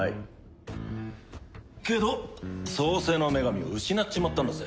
けど創世の女神を失っちまったんだぜ。